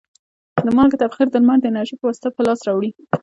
د مالګې تبخیر د لمر د انرژي په واسطه په لاس راوړي.